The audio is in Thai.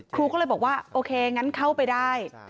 ครูก็เลยบอกว่าโอเคงั้นเข้าไปได้